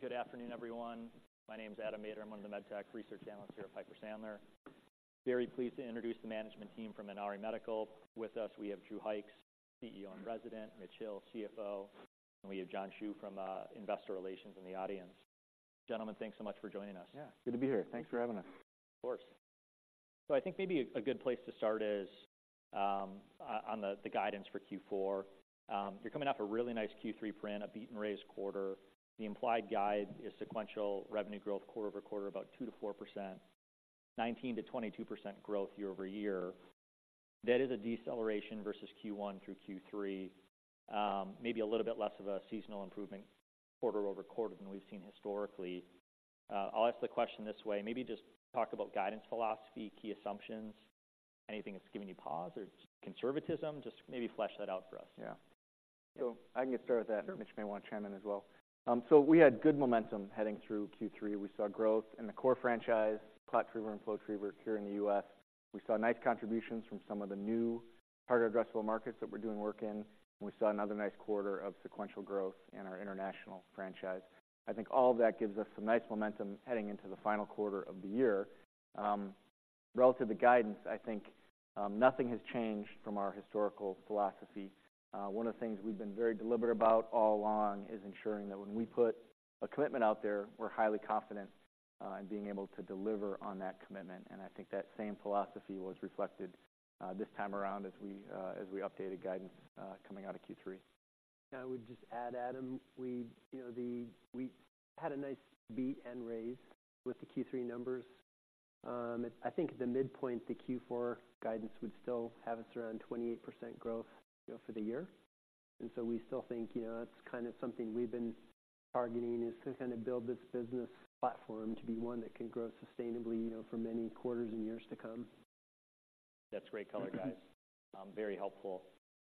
Good afternoon, everyone. My name is Adam Maeder. I'm one of the MedTech Research Analysts here at Piper Sandler. Very pleased to introduce the management team from Inari Medical. With us, we have Drew Hykes, CEO and President, Mitch Hill, CFO, and we have John Hsu from Investor Relations in the audience. Gentlemen, thanks so much for joining us. Yeah, good to be here. Thanks for having us. Of course. So I think maybe a good place to start is on the guidance for Q4. You're coming off a really nice Q3 print, a beat and raise quarter. The implied guide is sequential revenue growth, quarter-over-quarter, about 2%-4%, 19%-22% growth year-over-year. That is a deceleration versus Q1 through Q3, maybe a little bit less of a seasonal improvement quarter-over-quarter than we've seen historically. I'll ask the question this way: maybe just talk about guidance, philosophy, key assumptions, anything that's giving you pause or conservatism. Just maybe flesh that out for us. Yeah. So I can get started with that, or Mitch may want to chime in as well. So we had good momentum heading through Q3. We saw growth in the Core Franchise, ClotTriever, and FlowTriever here in the U.S. We saw nice contributions from some of the new harder addressable markets that we're doing work in, and we saw another nice quarter of sequential growth in our international franchise. I think all of that gives us some nice momentum heading into the final quarter of the year. Relative to guidance, I think, nothing has changed from our historical philosophy. One of the things we've been very deliberate about all along is ensuring that when we put a commitment out there, we're highly confident in being able to deliver on that commitment. I think that same philosophy was reflected, this time around as we updated guidance, coming out of Q3. I would just add, Adam, we, you know, we had a nice beat and raise with the Q3 numbers. I think the midpoint, the Q4 guidance would still have us around 28% growth, you know, for the year. And so we still think, you know, that's kind of something we've been targeting, is to kind of build this business platform to be one that can grow sustainably, you know, for many quarters and years to come. That's great color, guys. Very helpful.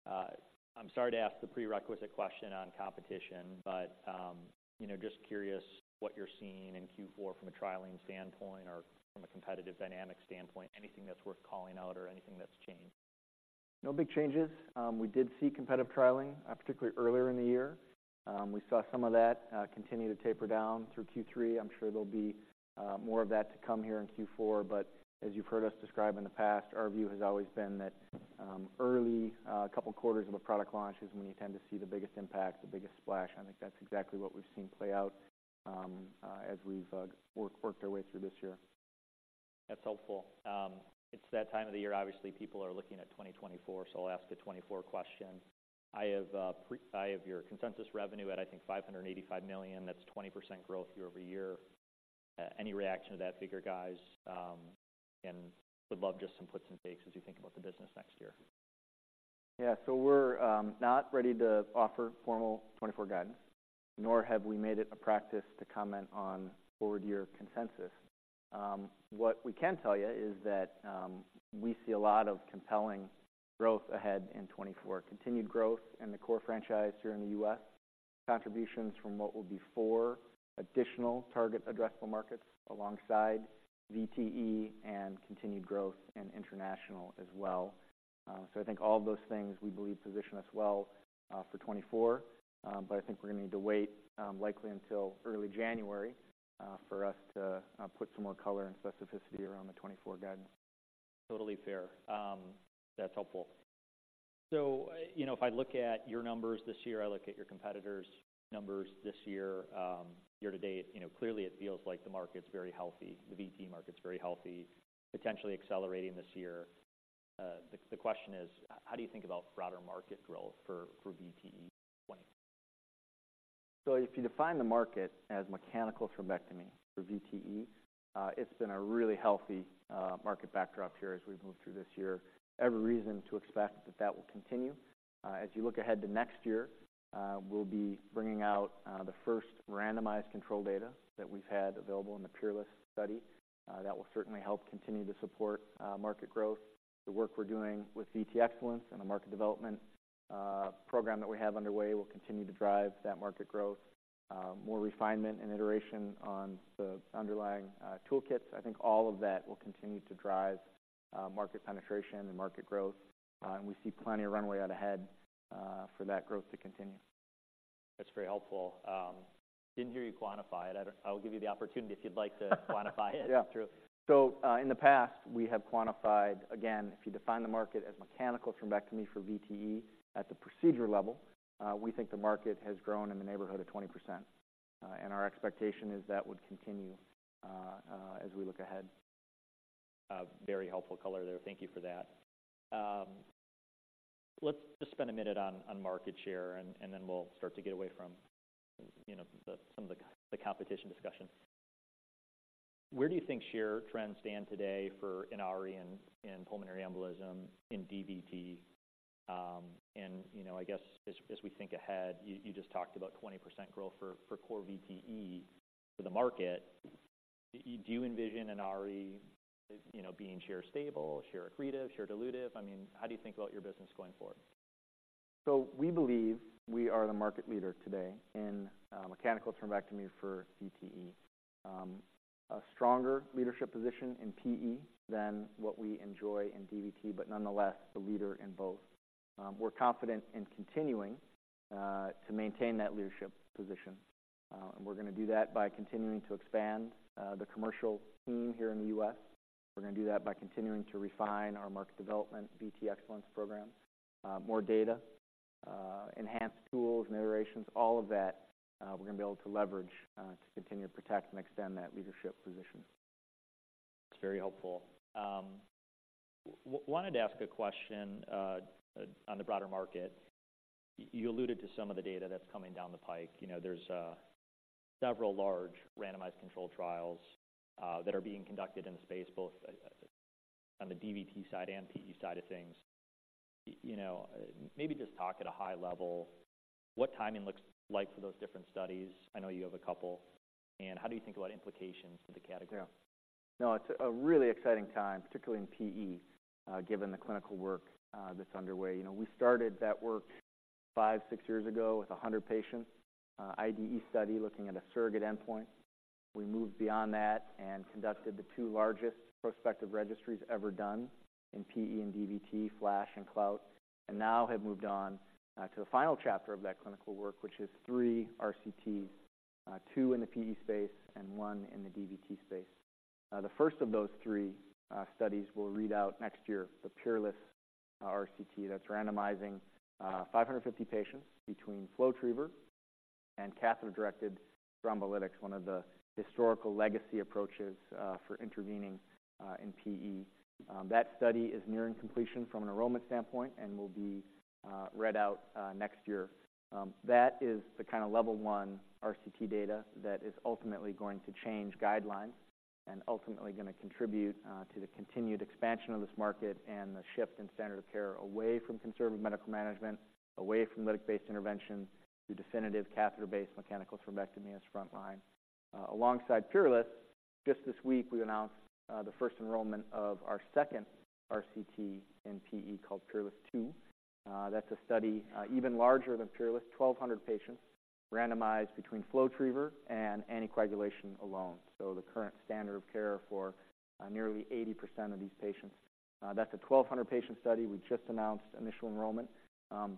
I'm sorry to ask the prerequisite question on competition, but, you know, just curious what you're seeing in Q4 from a trialing standpoint or from a competitive dynamic standpoint, anything that's worth calling out or anything that's changed? No big changes. We did see competitive trialing, particularly earlier in the year. We saw some of that continue to taper down through Q3. I'm sure there'll be more of that to come here in Q4. But as you've heard us describe in the past, our view has always been that early couple quarters of a product launch is when you tend to see the biggest impact, the biggest splash. I think that's exactly what we've seen play out, as we've worked our way through this year. That's helpful. It's that time of the year, obviously, people are looking at 2024, so I'll ask a 2024 question. I have your consensus revenue at, I think, $585 million. That's 20% growth year-over-year. Any reaction to that figure, guys? And would love just some puts and takes as you think about the business next year. Yeah. So we're not ready to offer formal 2024 guidance, nor have we made it a practice to comment on forward year consensus. What we can tell you is that we see a lot of compelling growth ahead in 2024. Continued growth in the core franchise here in the U.S., contributions from what will be four additional target addressable markets alongside VTE, and continued growth in international as well. So I think all of those things, we believe, position us well for 2024. But I think we're going to need to wait, likely until early January, for us to put some more color and specificity around the 2024 guidance. Totally fair. That's helpful. So, you know, if I look at your numbers this year, I look at your competitors' numbers this year, year to date, you know, clearly it feels like the market's very healthy. The VTE market's very healthy, potentially accelerating this year. The question is, how do you think about broader market growth for VTE? So if you define the market as mechanical thrombectomy for VTE, it's been a really healthy, market backdrop here as we've moved through this year. Every reason to expect that that will continue. As you look ahead to next year, we'll be bringing out, the first randomized control data that we've had available in the PEERLESS study. That will certainly help continue to support, market growth. The work we're doing with VTE Excellence and the market development, program that we have underway will continue to drive that market growth, more refinement and iteration on the underlying, toolkits. I think all of that will continue to drive, market penetration and market growth, and we see plenty of runway out ahead, for that growth to continue. That's very helpful. Didn't hear you quantify it. I'll give you the opportunity if you'd like to quantify it. Yeah Drew. So, in the past, we have quantified, again, if you define the market as mechanical thrombectomy for VTE, at the procedure level, we think the market has grown in the neighborhood of 20%, and our expectation is that would continue, as we look ahead. Very helpful color there. Thank you for that. Let's just spend a minute on market share, and then we'll start to get away from, you know, some of the competition discussion. Where do you think share trends stand today for Inari in pulmonary embolism, in DVT? And, you know, I guess as we think ahead, you just talked about 20% growth for core VTE for the market. Do you envision Inari, you know, being share stable, share accretive, share dilutive? I mean, how do you think about your business going forward? So we believe we are the market leader today in mechanical thrombectomy for VTE. A stronger leadership position in PE than what we enjoy in DVT, but nonetheless, the leader in both. We're confident in continuing to maintain that leadership position. We're gonna do that by continuing to expand the commercial team here in the U.S. We're gonna do that by continuing to refine our market development, VTE Excellence program, more data, enhanced tools and iterations, all of that, we're gonna be able to leverage to continue to protect and extend that leadership position. That's very helpful. Wanted to ask a question on the broader market. You alluded to some of the data that's coming down the pike. You know, there's several large randomized controlled trials that are being conducted in the space, both on the DVT side and PE side of things. You know, maybe just talk at a high level, what timing looks like for those different studies. I know you have a couple. How do you think about implications for the category? Yeah. No, it's a really exciting time, particularly in PE, given the clinical work that's underway. You know, we started that work five, six years ago with 100 patients, IDE study, looking at a surrogate endpoint. We moved beyond that and conducted the two largest prospective registries ever done in PE and DVT, FLASH and CLOUT, and now have moved on to the final chapter of that clinical work, which is three RCTs, two in the PE space, and one in the DVT space. The first of those three studies will read out next year, the PEERLESS RCT. That's randomizing 550 patients between FlowTriever and catheter-directed thrombolytics, one of the historical legacy approaches for intervening in PE. That study is nearing completion from an enrollment standpoint and will be read out next year. That is the kind of level one RCT data that is ultimately going to change guidelines and ultimately gonna contribute to the continued expansion of this market and the shift in standard of care away from conservative medical management, away from lytic-based intervention to definitive catheter-based mechanical thrombectomy as frontline. Alongside PEERLESS, just this week, we announced the first enrollment of our second RCT in PE called PEERLESS II. That's a study even larger than PEERLESS, 1,200 patients randomized between FlowTriever and anticoagulation alone. So the current standard of care for nearly 80% of these patients. That's a 1,200-patient study. We've just announced initial enrollment.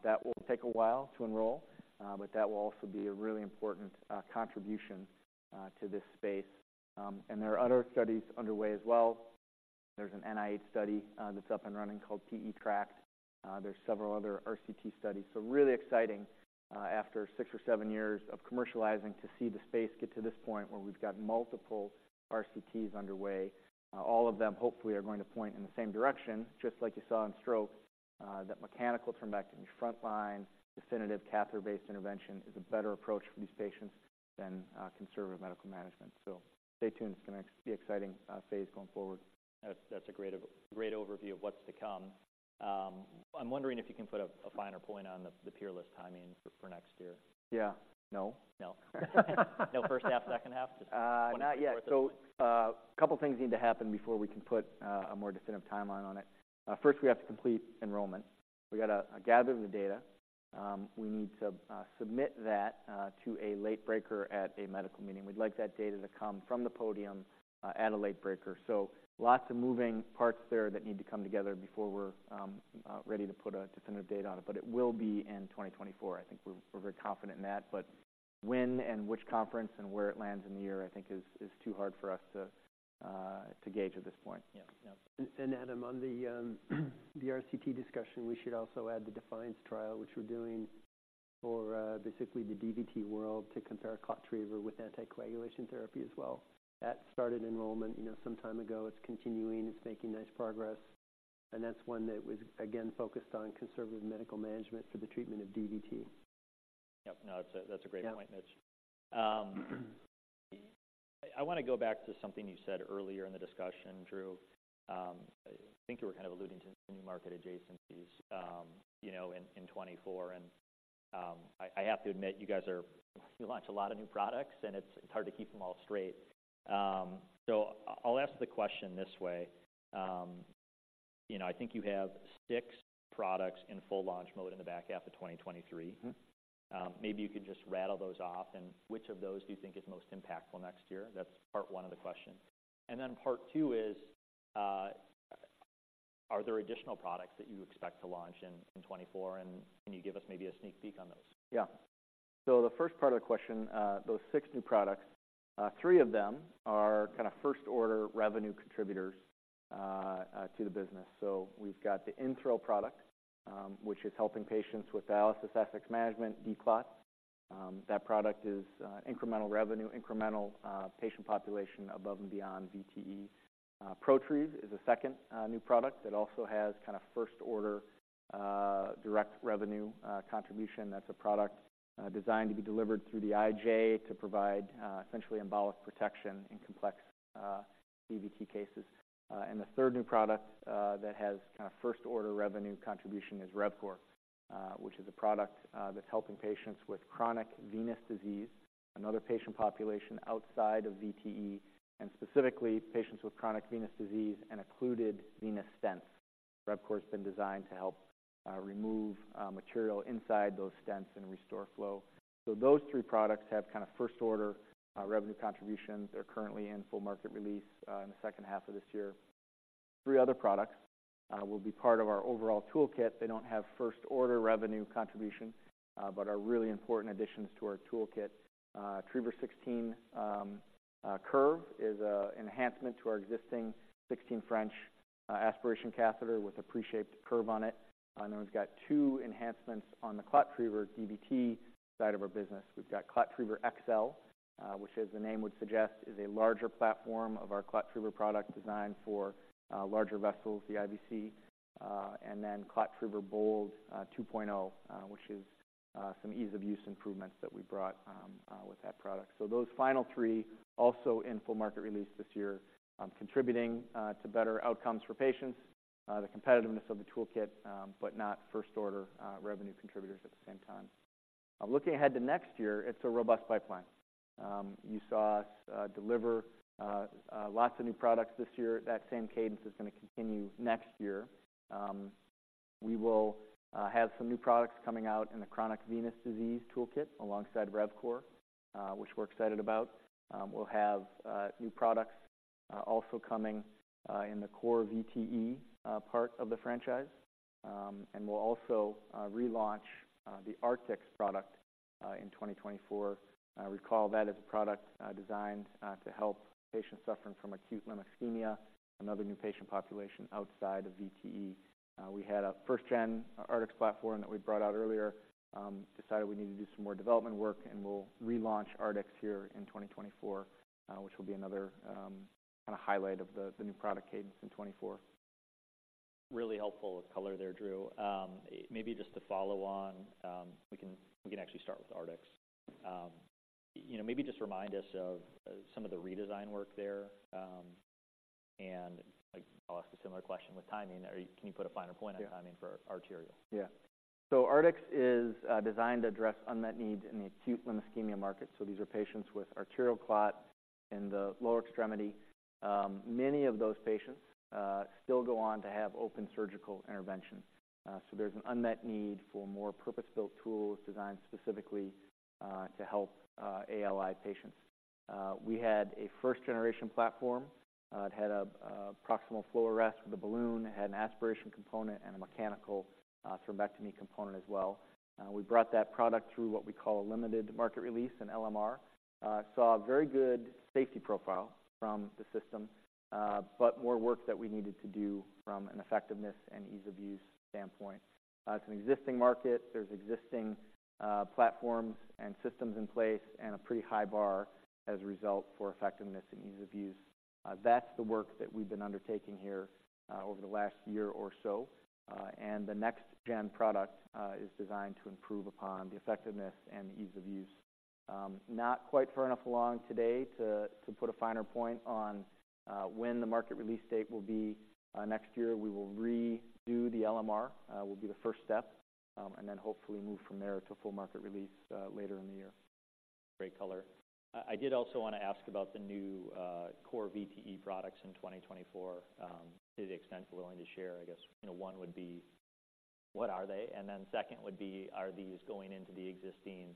That will take a while to enroll, but that will also be a really important contribution to this space. And there are other studies underway as well. There's an NIH study that's up and running called PE-TRACT. There's several other RCT studies. So really exciting, after six or seven years of commercializing, to see the space get to this point where we've got multiple RCTs underway. All of them, hopefully, are going to point in the same direction, just like you saw in stroke, that mechanical thrombectomy frontline, definitive catheter-based intervention, is a better approach for these patients than conservative medical management. So stay tuned. It's gonna be an exciting phase going forward. That's a great overview of what's to come. I'm wondering if you can put a finer point on the PEERLESS timing for next year. Yeah. No. No. No first half, second half? Just- Not yet. Okay. So, a couple things need to happen before we can put a more definitive timeline on it. First, we have to complete enrollment. We gotta gather the data. We need to submit that to a late breaker at a medical meeting. We'd like that data to come from the podium at a late breaker. So lots of moving parts there that need to come together before we're ready to put a definitive date on it, but it will be in 2024. I think we're very confident in that. But when and which conference and where it lands in the year, I think is too hard for us to gauge at this point. Yeah. Yeah. And, Adam, on the RCT discussion, we should also add the DEFIANCE Trial, which we're doing for basically the DVT world, to compare ClotTriever with anticoagulation therapy as well. That started enrollment, you know, some time ago. It's continuing, it's making nice progress, and that's one that was, again, focused on conservative medical management for the treatment of DVT. Yep. No, that's a great point, Mitch. Yeah. I want to go back to something you said earlier in the discussion, Drew. I think you were kind of alluding to new market adjacencies, you know, in 2024. And, I have to admit, you guys are, you launched a lot of new products, and it's hard to keep them all straight. So I'll ask the question this way: you know, I think you have six products in full launch mode in the back half of 2023. Mm-hmm. Maybe you could just rattle those off, and which of those do you think is most impactful next year? That's part one of the question. And then part two is, are there additional products that you expect to launch in, in 2024, and can you give us maybe a sneak peek on those? Yeah. So the first part of the question, those six new products, three of them are kind of first-order revenue contributors to the business. So we've got the InThrill product, which is helping patients with dialysis access management, declot. That product is incremental revenue, incremental patient population above and beyond VTE. ProTrieve is a second new product that also has kind of first-order direct revenue contribution. That's a product designed to be delivered through the IJ to provide essentially embolic protection in complex DVT cases. And the third new product that has kind of first-order revenue contribution is RevCore, which is a product that's helping patients with chronic venous disease, another patient population outside of VTE, and specifically patients with chronic venous disease and occluded venous stents. RevCore's been designed to help remove material inside those stents and restore flow. So those three products have kind of first-order revenue contributions. They're currently in full market release in the second half of this year. Three other products will be part of our overall toolkit. They don't have first-order revenue contribution, but are really important additions to our toolkit. Triever16 Curve is an enhancement to our existing 16 French aspiration catheter with a pre-shaped curve on it. And then we've got two enhancements on the ClotTriever DVT side of our business. We've got ClotTriever XL, which, as the name would suggest, is a larger platform of our ClotTriever product designed for larger vessels, the IVC. And then ClotTriever BOLD 2.0, which is some ease-of-use improvements that we brought with that product. So those final three, also in full market release this year, contributing to better outcomes for patients, the competitiveness of the toolkit, but not first-order revenue contributors at the same time. Looking ahead to next year, it's a robust pipeline. You saw us deliver lots of new products this year. That same cadence is going to continue next year. We will have some new products coming out in the chronic venous disease toolkit alongside RevCore, which we're excited about. We'll have new products also coming in the core VTE part of the franchise. And we'll also relaunch the Artix product in 2024. Recall that is a product designed to help patients suffering from acute limb ischemia, another new patient population outside of VTE. We had a first-gen Artix platform that we brought out earlier, decided we needed to do some more development work, and we'll relaunch Artix here in 2024, which will be another kind of highlight of the new product cadence in 2024. Really helpful with color there, Drew. Maybe just to follow on, we can, we can actually start with Artix. You know, maybe just remind us of some of the redesign work there. And I'll ask a similar question with timing. Can you put a finer point on timing for arterial? Yeah. So Artix is designed to address unmet needs in the Acute Limb Ischemia market. So these are patients with arterial clot in the lower extremity. Many of those patients still go on to have open surgical intervention. So there's an unmet need for more purpose-built tools designed specifically to help ALI patients. We had a first-generation platform. It had a proximal flow arrest with a balloon. It had an aspiration component and a mechanical thrombectomy component as well. We brought that product through what we call a Limited Market Release, an LMR. Saw a very good safety profile from the system, but more work that we needed to do from an effectiveness and ease-of-use standpoint. It's an existing market. There's existing platforms and systems in place, and a pretty high bar as a result for effectiveness and ease of use. That's the work that we've been undertaking here over the last year or so. The next gen product is designed to improve upon the effectiveness and ease of use. Not quite far enough along today to put a finer point on when the market release date will be. Next year we will redo the LMR, will be the first step, and then hopefully move from there to a full market release later in the year. Great color. I did also want to ask about the new core VTE products in 2024. To the extent you're willing to share, I guess, you know, one would be, what are they? And then second would be, are these going into the existing,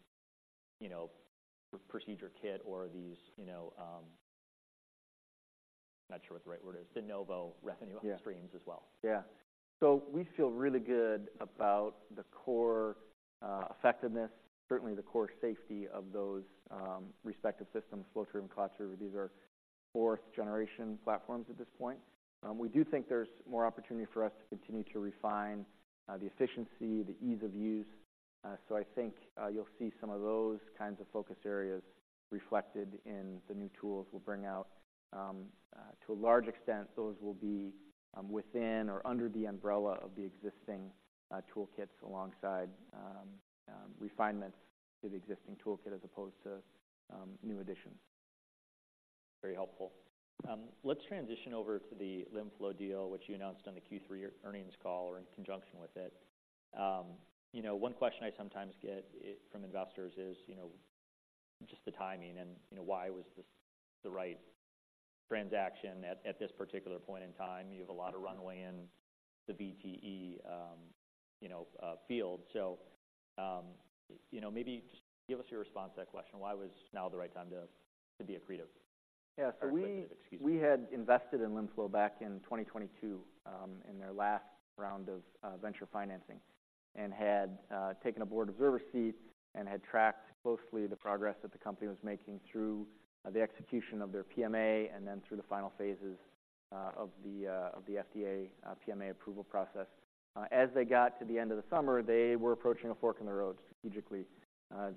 you know, procedure kit, or are these, you know, I'm not sure what the right word is, de novo revenue- Yeah -streams as well. Yeah. So we feel really good about the core, effectiveness, certainly the core safety of those, respective systems, FlowTriever, ClotTriever. These are fourth-generation platforms at this point. We do think there's more opportunity for us to continue to refine, the efficiency, the ease of use. So I think, you'll see some of those kinds of focus areas reflected in the new tools we'll bring out. To a large extent, those will be, within or under the umbrella of the existing, toolkits, alongside, refinements to the existing toolkit as opposed to, new additions. Very helpful. Let's transition over to the LimFlow deal, which you announced on the Q3 earnings call or in conjunction with it. You know, one question I sometimes get it from investors is, you know, just the timing and, you know, why was this the right transaction at, at this particular point in time? You have a lot of runway in the VTE, you know, field. So, you know, maybe just give us your response to that question. Why was now the right time to, to be accretive? Yeah, so we- Excuse me. We had invested in LimFlow back in 2022, in their last round of venture financing, and had taken a board observer seat and had tracked closely the progress that the company was making through the execution of their PMA and then through the final phases of the FDA PMA approval process. As they got to the end of the summer, they were approaching a fork in the road strategically.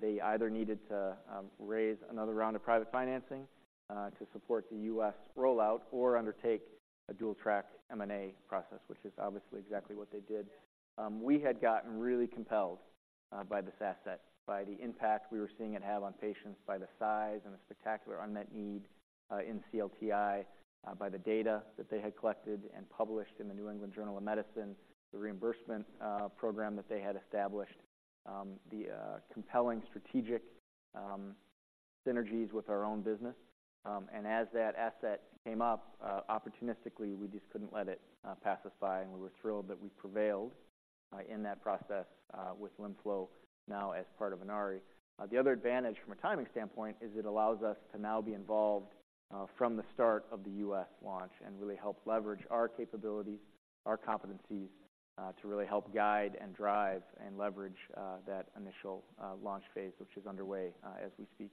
They either needed to raise another round of private financing to support the U.S. rollout or undertake a dual track M&A process, which is obviously exactly what they did. We had gotten really compelled by this asset, by the impact we were seeing it have on patients, by the size and the spectacular unmet need in CLTI, by the data that they had collected and published in the New England Journal of Medicine, the reimbursement program that they had established, the compelling strategic synergies with our own business. As that asset came up opportunistically, we just couldn't let it pass us by, and we were thrilled that we prevailed in that process with LimFlow now as part of Inari. The other advantage from a timing standpoint is it allows us to now be involved from the start of the U.S. launch, and really help leverage our capabilities, our competencies, to really help guide and drive and leverage that initial launch phase, which is underway as we speak.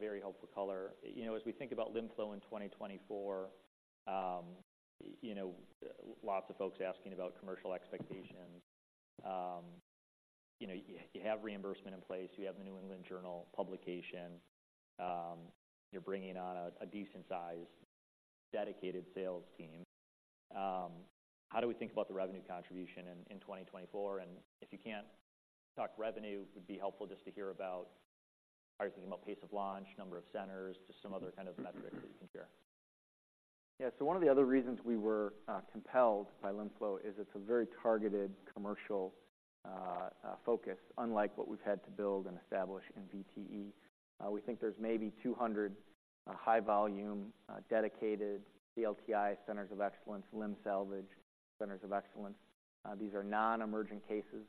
Very helpful color. You know, as we think about LimFlow in 2024, you know, lots of folks asking about commercial expectations. You know, you have reimbursement in place, you have the New England Journal publication, you're bringing on a decent size, dedicated sales team. How do we think about the revenue contribution in 2024? And if you can't talk revenue, it would be helpful just to hear about how are you thinking about pace of launch, number of centers, just some other kind of metrics that you can share. Yeah. So one of the other reasons we were compelled by LimFlow is it's a very targeted commercial focus, unlike what we've had to build and establish in VTE. We think there's maybe 200 high volume dedicated CLTI centers of excellence, limb salvage centers of excellence. These are non-emerging cases,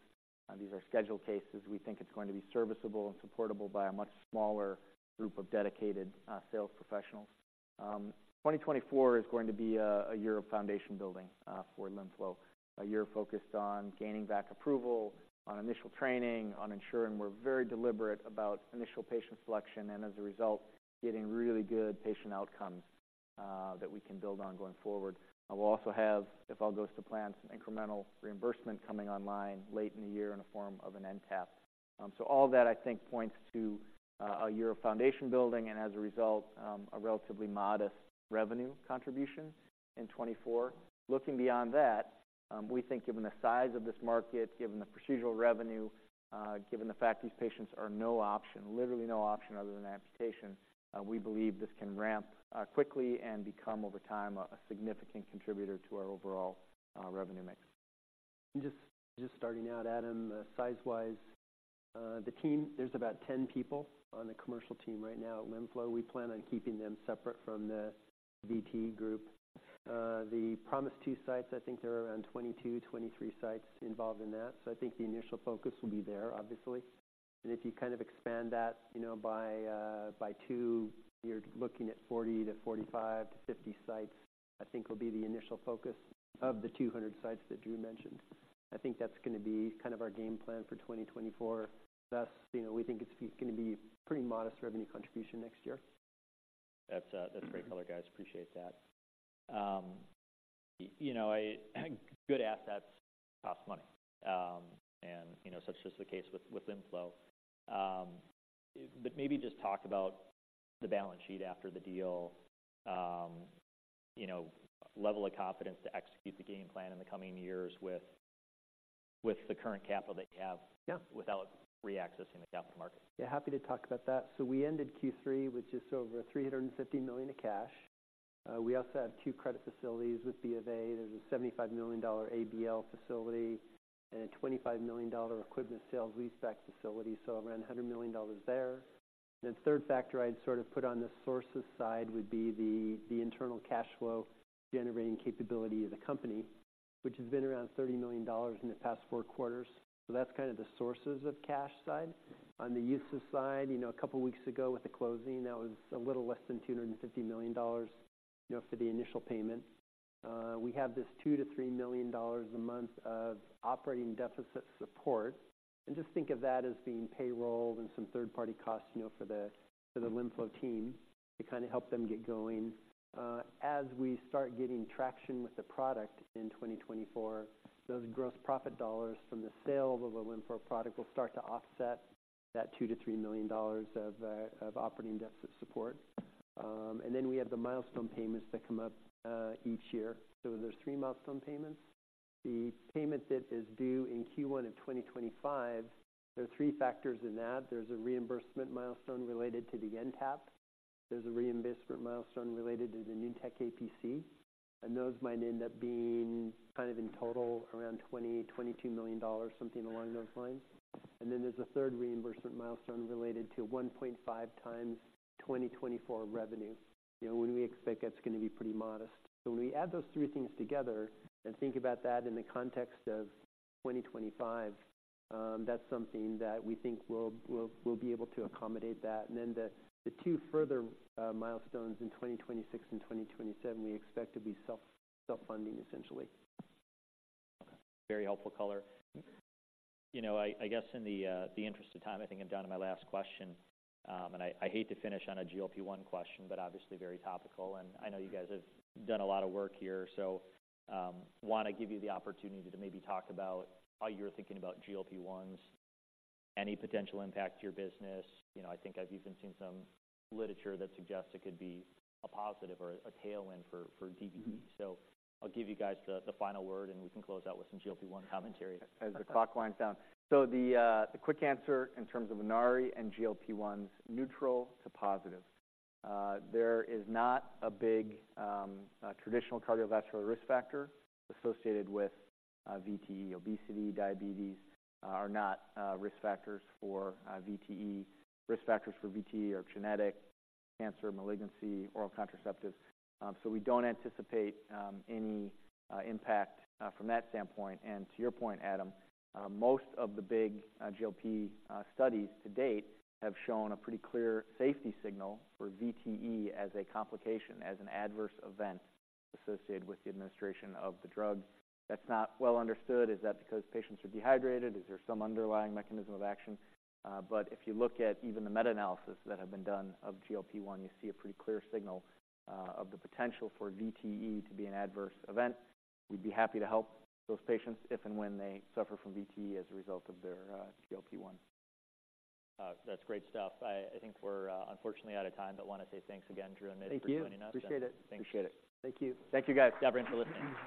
these are scheduled cases. We think it's going to be serviceable and supportable by a much smaller group of dedicated sales professionals. 2024 is going to be a year of foundation building for LimFlow. A year focused on gaining back approval, on initial training, on ensuring we're very deliberate about initial patient selection, and as a result, getting really good patient outcomes that we can build on going forward. We'll also have, if all goes to plan, some incremental reimbursement coming online late in the year in the form of an NTAP. So all that, I think, points to a year of foundation building, and as a result, a relatively modest revenue contribution in 2024. Looking beyond that, we think given the size of this market, given the procedural revenue, given the fact these patients are no option, literally no option other than amputation, we believe this can ramp quickly and become, over time, a significant contributor to our overall revenue mix. Just, just starting out, Adam, size-wise, the team, there's about 10 people on the commercial team right now at LimFlow. We plan on keeping them separate from the VTE group. The PROMISE II sites, I think there are around 22, 23 sites involved in that. So I think the initial focus will be there, obviously. And if you kind of expand that, you know, by, by two, you're looking at 40 to 45 to 50 sites, I think will be the initial focus of the 200 sites that Drew mentioned. I think that's gonna be kind of our game plan for 2024. Thus, you know, we think it's gonna be pretty modest revenue contribution next year. That's, that's great color, guys. Appreciate that. You know, I, good assets cost money. And, you know, such is the case with, with LimFlow. But maybe just talk about the balance sheet after the deal. You know, level of confidence to execute the game plan in the coming years with, with the current capital that you have. Yeah. Without re-accessing the capital markets. Yeah, happy to talk about that. So we ended Q3 with just over $350 million of cash. We also have two credit facilities with BofA. There's a $75 million ABL facility and a $25 million equipment sales leaseback facility, so around $100 million there. Then the third factor I'd sort of put on the sources side would be the internal cash flow generating capability of the company, which has been around $30 million in the past four quarters. So that's kind of the sources of cash side. On the uses side, you know, a couple weeks ago with the closing, that was a little less than $250 million, you know, for the initial payment. We have this $2-$3 million a month of operating deficit support, and just think of that as being payroll and some third-party costs, you know, for the, for the LimFlow team to kind of help them get going. As we start getting traction with the product in 2024, those gross profit dollars from the sale of the LimFlow product will start to offset that $2-$3 million of operating deficit support. And then we have the milestone payments that come up each year. So there's three milestone payments. The payment that is due in Q1 of 2025, there are three factors in that. There's a reimbursement milestone related to the NTAP. There's a reimbursement milestone related to the New Tech APC, and those might end up being kind of in total around $22 million, something along those lines. And then there's a third reimbursement milestone related to 1.5x 2024 revenue, you know, when we expect that's gonna be pretty modest. So when we add those three things together and think about that in the context of 2025, that's something that we think we'll be able to accommodate that. And then the two further milestones in 2026 and 2027, we expect to be self-funding, essentially. Very helpful color. You know, I guess in the interest of time, I think I'm down to my last question. And I hate to finish on a GLP-1 question, but obviously very topical, and I know you guys have done a lot of work here. So, want to give you the opportunity to maybe talk about how you're thinking about GLP-1s, any potential impact to your business. You know, I think I've even seen some literature that suggests it could be a positive or a tailwind for VTE. Mm-hmm. So I'll give you guys the final word, and we can close out with some GLP-1 commentary. As the clock winds down. So the quick answer in terms of Inari and GLP-1's, neutral to positive. There is not a big traditional cardiovascular risk factor associated with VTE. Obesity, diabetes, are not risk factors for VTE. Risk factors for VTE are genetic, cancer, malignancy, and oral contraceptives, so we don't anticipate any impact from that standpoint. And to your point, Adam, most of the big GLP studies to date have shown a pretty clear safety signal for VTE as a complication, as an adverse event associated with the administration of the drugs. That's not well understood. Is that because patients are dehydrated? Is there some underlying mechanism of action? If you look at even the meta-analyses that have been done of GLP-1, you see a pretty clear signal of the potential for VTE to be an adverse event. We'd be happy to help those patients if and when they suffer from VTE as a result of their GLP-1. That's great stuff. I, I think we're unfortunately out of time, but want to say thanks again, Drew and Mitch- Thank you. - for joining us. Appreciate it. Appreciate it. Thank you. Thank you, guys. Everyone for listening.